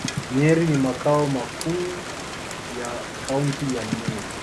Nyeri ni makao makuu ya Kaunti ya Nyeri.